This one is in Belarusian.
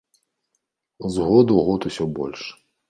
З году ў год усё больш.